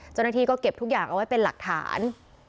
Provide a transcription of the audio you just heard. เจ้าหน้าที่ก็เก็บทุกอย่างเอาไว้เป็นหลักฐาน